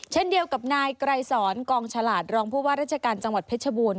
เช่นเดียวกับนายไกรสอนกองฉลาดรองผู้ว่าราชการจังหวัดเพชรบูรณ